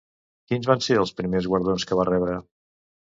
Quins van ser els primers guardons que va rebre?